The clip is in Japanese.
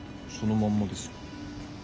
そのまんまですよ。